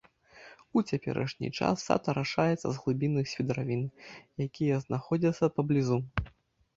У цяперашні час сад арашаецца з глыбінных свідравін, якія знаходзяцца паблізу.